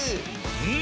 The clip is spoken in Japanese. うん！